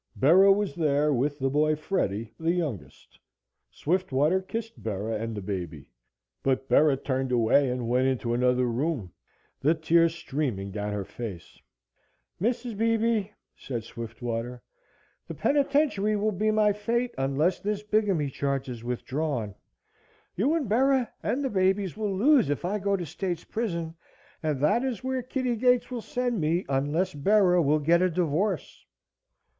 Bera was there with the boy Freddie the youngest. Swiftwater kissed Bera and the baby, but Bera turned away and went into another room, the tears streaming down her face. "Mrs. Beebe," said Swiftwater, "the penitentiary will be my fate unless this bigamy charge is withdrawn. You and Bera and the babies will lose if I go to state's prison, and that is where Kitty Gates will send me unless Bera will get a divorce."